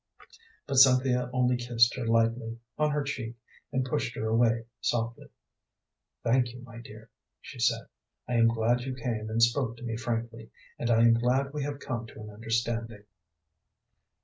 But Cynthia only kissed her lightly on her cheek, and pushed her away softly. "Thank you, my dear," she said. "I am glad you came and spoke to me frankly, and I am glad we have come to an understanding."